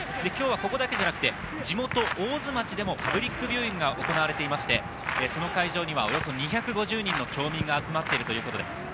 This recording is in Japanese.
今日はここだけではなく、地元・大津町でもパブリックビューイングが行われていまして、この会場にはおよそ２５０人の町民が集まっているということです。